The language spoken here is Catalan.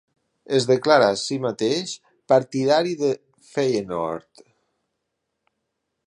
Es declara a si mateix partidari de Feyenoord.